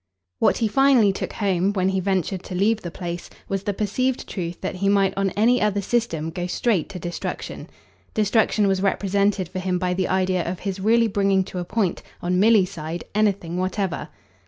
What he finally took home, when he ventured to leave the place, was the perceived truth that he might on any other system go straight to destruction. Destruction was represented for him by the idea of his really bringing to a point, on Milly's side, anything whatever.